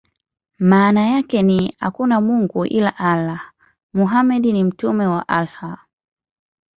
Maana yake ni: "Hakuna mungu ila Allah; Muhammad ni mtume wa Allah".